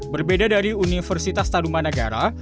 berbeda dari universitas taruman negara